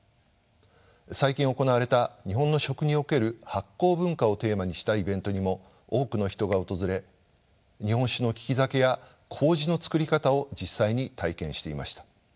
最近行われた「日本の食における発酵文化」をテーマにしたイベントにも多くの人が訪れ日本酒の利き酒や麹の作り方を実際に体験していました。